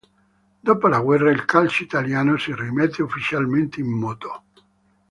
Dopo la guerra il calcio italiano si rimette ufficialmente in moto.